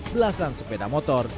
belasan sepeda motor